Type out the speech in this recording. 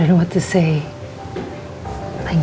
aku gak tahu apa mau bilang